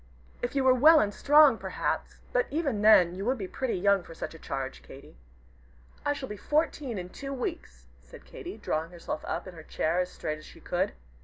If you were well and strong, perhaps but even then you would be pretty young for such a charge, Katy." "I shall be fourteen in two weeks," said Katy, drawing herself up in her chair as straight as she could.